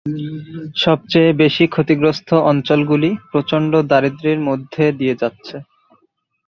সবচেয়ে বেশি ক্ষতিগ্রস্থ অঞ্চলগুলি প্রচন্ড দারিদ্র্যের মধ্যে দিয়ে যাচ্ছে।